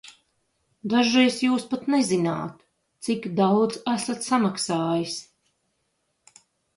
Dažreiz jūs pat nezināt, cik daudz esat samaksājis.